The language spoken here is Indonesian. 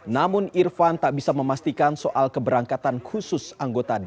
namun irfan tak bisa memastikan soal keberangkatan khusus anggotanya